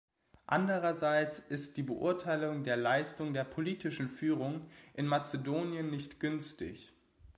Andererseits ist die Beurteilung der Leistung der politischen Führung in Mazedonien nicht günstig.